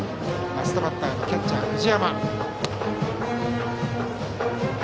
ラストバッター、キャッチャー藤山。